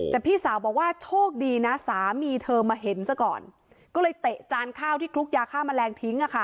แต่พี่สาวบอกว่าโชคดีนะสามีเธอมาเห็นซะก่อนก็เลยเตะจานข้าวที่คลุกยาฆ่าแมลงทิ้งอ่ะค่ะ